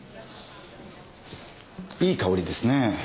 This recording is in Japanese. いい香りですねぇ。